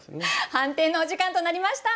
判定のお時間となりました。